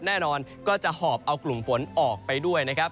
แน่นอนก็จะหอบเอากลุ่มฝนออกไปด้วยนะครับ